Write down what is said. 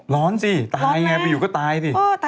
ร้อนสิตายไงไปอยู่ก็ตายสิ